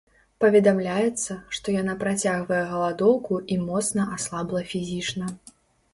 Паведамляецца, што яна працягвае галадоўку і моцна аслабла фізічна.